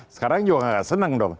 sekarang juga senang dong